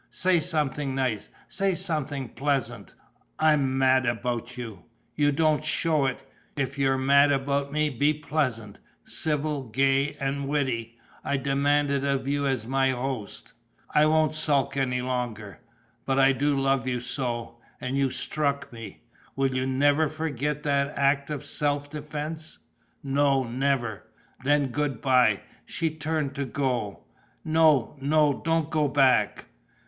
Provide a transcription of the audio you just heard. Say something nice, say something pleasant." "I am mad about you." "You don't show it. If you're mad about me, be pleasant, civil, gay and witty. I demand it of you as my host." "I won't sulk any longer ... but I do love you so! And you struck me!" "Will you never forget that act of self defence?" "No, never!" "Then good bye." She turned to go. "No, no, don't go back.